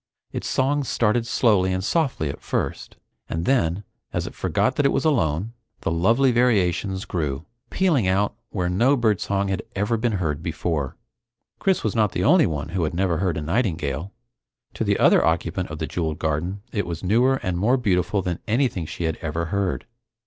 Its song started slowly and softly at first, and then, as it forgot that it was alone, the lovely variations grew, pealing out where no birdsong had ever been heard before. Chris was not the only one who had never heard a nightingale. To the other occupant of the jeweled garden, it was newer and more beautiful than anything she had ever heard.